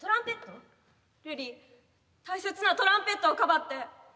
ルリ大切なトランペットをかばって。